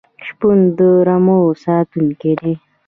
شپون د رمو ساتونکی دی.